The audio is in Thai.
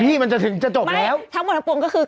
นี่มันจะถึงจะจบแล้วทั้งหมดทั้งปวงก็คือ